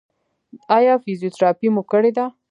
ایا فزیوتراپي مو کړې ده؟